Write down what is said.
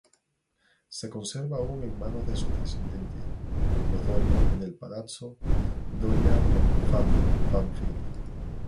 Se conserva aún en manos de sus descendientes, los Doria, en el Palazzo Doria-Pamphili.